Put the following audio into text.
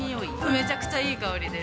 めちゃくちゃいい香りです。